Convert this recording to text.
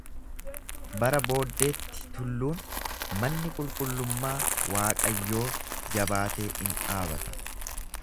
Bara booddeetti tulluun manni qulqullummaa Waaqayyoo jabaatee in dhaabata.